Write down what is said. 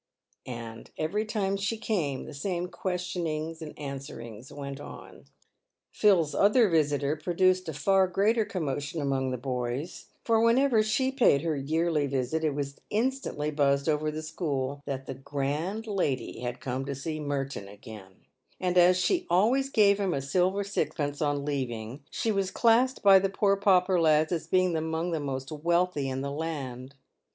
And every time she came the same questionings and answerings went on. Phil's other visitor produced a far greater commotion among the boys : for whenever she paid her yearly visit, it was instantly buzzed over the school that the grand lady had come to see Merton again ; and as she always gave him a silver sixpence on leaving, she was classed by the poor pauper lads as being among the most wealthy in the land.